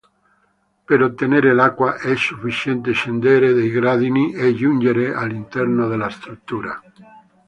Per ottenere l'acqua è sufficiente scendere dei gradini e giungere all'interno della struttura.